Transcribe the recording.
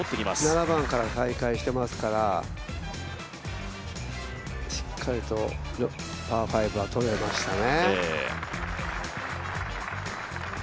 ７番から再開してますから、しっかりとパー５はとれていましたね。